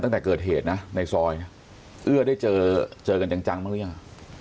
ตั้งแต่เกิดเหตุนะในซอยเอื้อได้เจอเจอกันจังบ้างหรือยัง